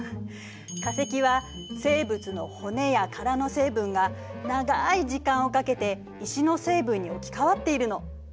化石は生物の骨や殻の成分が長い時間をかけて石の成分に置き換わっているの。